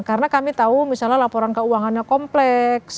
karena kami tahu misalnya laporan keuangannya kompleks